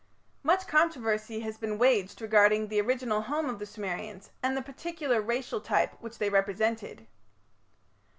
Much controversy has been waged regarding the original home of the Sumerians and the particular racial type which they represented.